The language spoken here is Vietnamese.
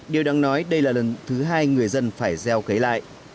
điều đáng nói đây là lần thứ hai người dân phải gieo cấy lại